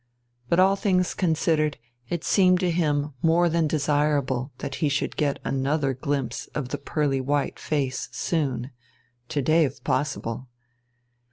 But all things considered, it seemed to him more than desirable that he should get another glimpse of the pearly white face soon, to day if possible.